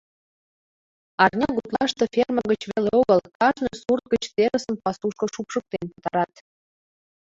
Арня гутлаште ферма гыч веле огыл, кажне сурт гыч терысым пасушко шупшыктен пытарат.